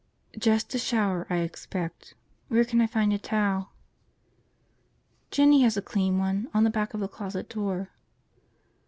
"Just a shower, I expect. Where can I find a towel?" "Jinny has a clean one. On the back of the closet door."